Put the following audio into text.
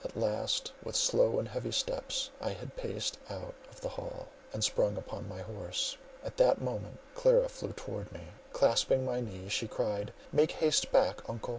At last, with slow and heavy steps, I had paced out of the hall, and sprung upon my horse. At that moment Clara flew towards me; clasping my knee she cried, "Make haste back, uncle!